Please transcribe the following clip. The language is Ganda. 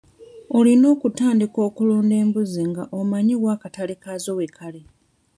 Olina okutandika okulunda embuzi nga omanyi wa akatale kaazo we kali.